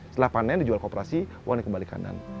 setelah panen dijual kooperasi uangnya kembali ke kanan